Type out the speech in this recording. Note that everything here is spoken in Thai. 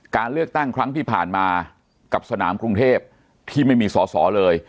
การเลือกตั้งครั้งที่ผ่านมากับสนามกรุงเทพที่ไม่มีสอสอเลย